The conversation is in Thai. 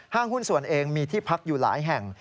หุ้นส่วนเองมีที่พักอยู่หลายแห่ง